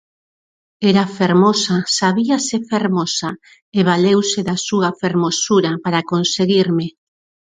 Era fermosa, sabíase fermosa, e valeuse da súa fermosura para conseguirme.